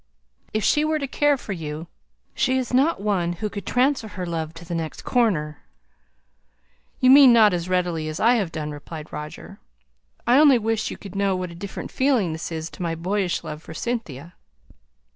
If she were to care for you, she is not one who could transfer her love to the next comer." "You mean not as readily as I have done," replied Roger. "I only wish you could know what a different feeling this is to my boyish love for Cynthia."